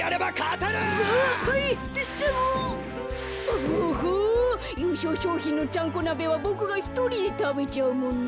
おほゆうしょうしょうひんのちゃんこなべはボクがひとりでたべちゃうもんね。